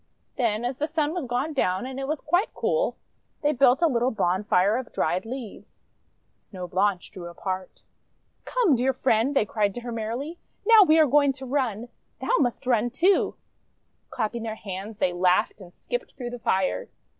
Then as the Sun was gone down and it was quite cool, they built a little bonfire of dried leaves. Snow Blanche drew apart. :t Come, dear Friend !" they cried to her merrily. :< Now we are going to run ! Thou must run, too !' Clapping their hands, they laughed and skipped through the fire.